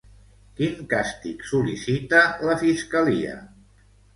Quin càstig sol·licita la fiscalia?